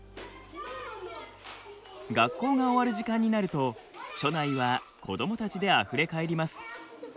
学校が終わる時間になると署内は子どもたちであふれ返ります。